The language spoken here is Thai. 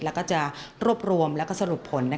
แล้วก็จะรวบรวมและสรุปผล